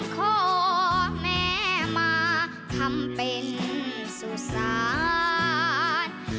ขอแม่มาทำเป็นสุสาน